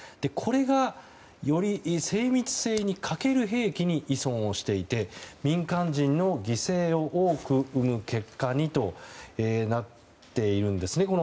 これがより精密性に欠ける兵器に依存していて民間人の犠牲を多く生む結果にとなっているんですね。